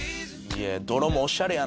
いや。